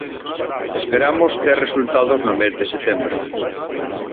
Esperamos ter resultados no mes de setembro.